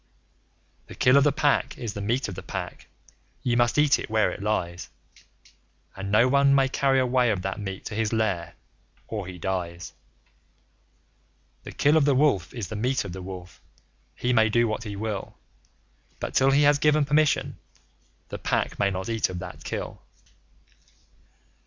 The Kill of the Pack is the meat of the Pack. Ye must eat where it lies; And no one may carry away of that meat to his lair, or he dies. The Kill of the Wolf is the meat of the Wolf. He may do what he will, But, till he has given permission, the Pack may not eat of that Kill.